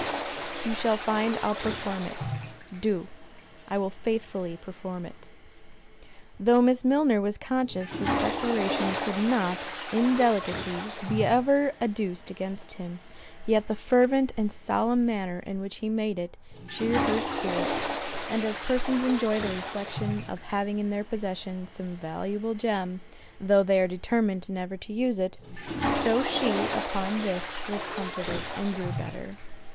You shall find I'll perform it.—Do. I will faithfully perform it." Though Miss Milner was conscious this declaration could not, in delicacy, be ever adduced against him; yet the fervent and solemn manner in which he made it, cheered her spirits; and as persons enjoy the reflection of having in their possession some valuable gem, though they are determined never to use it, so she upon this, was comforted and grew better.